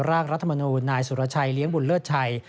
ร่างรัฐมนูลนายสุรชัยเลี้ยงบุญเลิศชัย